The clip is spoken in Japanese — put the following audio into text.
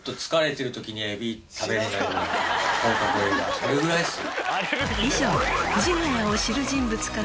それぐらいっすよ。